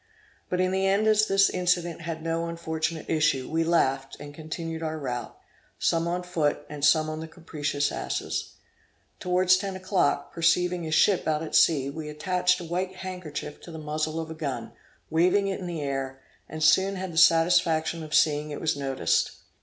But, in the end as this incident had no unfortunate issue, we laughed, and continued our route, some on foot and some on the capricious asses. Towards ten o'clock, perceiving a ship out at sea, we attached a white handkerchief to the muzzle of a gun, waiving it in the air, and soon had the satisfaction of seeing it was noticed.